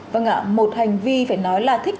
vâng ạ một hành vi phải nói là thích